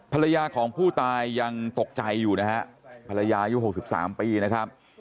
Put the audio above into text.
ภรรยาของผู้ตายยังตกใจอยู่นะฮะภรรยายุค๖๓ปีนะครับ